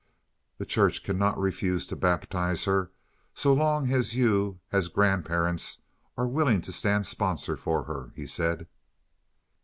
"The church cannot refuse to baptize her so long as you, as grandparent, are willing to stand sponsor for her," he said.